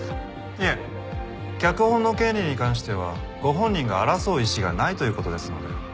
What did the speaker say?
いえ脚本の権利に関してはご本人が争う意思がないという事ですので。